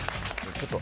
ちょっと。